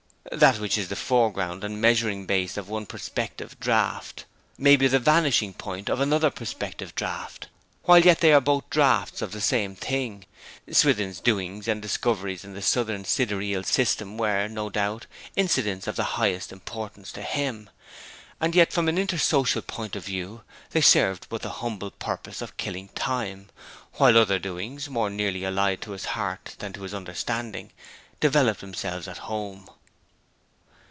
That which is the foreground and measuring base of one perspective draught may be the vanishing point of another perspective draught, while yet they are both draughts of the same thing. Swithin's doings and discoveries in the southern sidereal system were, no doubt, incidents of the highest importance to him; and yet from an intersocial point of view they served but the humble purpose of killing time, while other doings, more nearly allied to his heart than to his understanding, developed themselves at home.